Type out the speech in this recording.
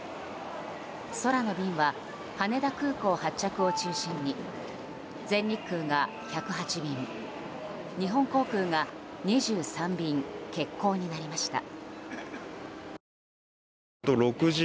空の便は羽田空港発着を中心に全日空が１０８便日本航空が２３便欠航になりました。